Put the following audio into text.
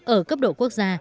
ở cấp độ quốc gia